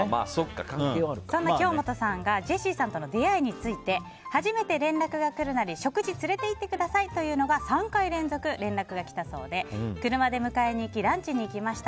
そんな京本さんがジェシーさんとの出会いについてはじめて連絡が来るなり食事連れて行ってください！というのが、３回連続連絡が来たそうで車で迎えに行きランチに行きました。